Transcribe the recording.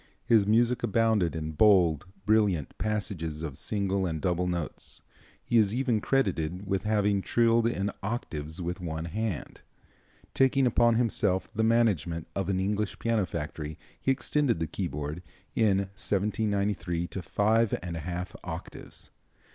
His music abounded in bold, brilliant passages of single and double notes. He is even credited with having trilled in octaves with one hand. Taking upon himself the management of an English piano factory, he extended the keyboard, in 1793, to five and a half octaves.